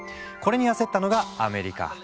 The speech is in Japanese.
これに焦ったのがアメリカ。